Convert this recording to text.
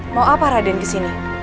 mau apa raden kesini